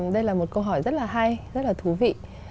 đây là một câu hỏi rất là hay rất là thú vị